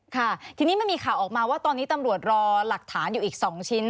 ค่ะทีนี้มันมีข่าวออกมาว่าตอนนี้ตำรวจรอหลักฐานอยู่อีก๒ชิ้น